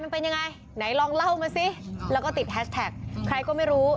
มันเป็นยังไงไหนลองเล่ามาสิแล้วก็ติดแฮชแท็กใครก็ไม่รู้